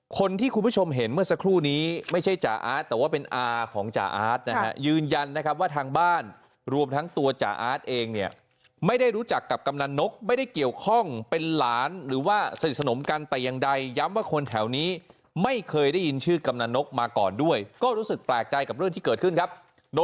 คุณผู้ชมเห็นเมื่อสักครู่นี้ไม่ใช่จ่าอาร์ตแต่ว่าเป็นอาของจ่าอาร์ตนะฮะยืนยันนะครับว่าทางบ้านรวมทั้งตัวจ่าอาร์ตเองเนี่ยไม่ได้รู้จักกับกำนันนกไม่ได้เกี่ยวข้องเป็นหลานหรือว่าสนิทสนมกันแต่อย่างใดย้ำว่าคนแถวนี้ไม่เคยได้ยินชื่อกำนันนกมาก่อนด้วยก็รู้สึกแปลกใจกับเรื่องที่เกิดขึ้นครับโดย